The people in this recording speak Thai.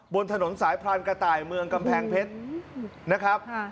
บนถนนสายพรานกระต่ายเมืองกำแพงเพชรนะครับ